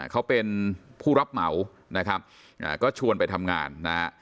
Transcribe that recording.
เขาเป็นผู้รับเหมานะครับก็ชวนไปทำงานนะฮะ